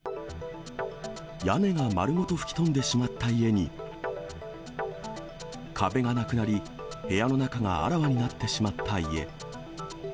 屋根が丸ごと吹き飛んでしまった家に、壁がなくなり、部屋の中があらわになってしまった家。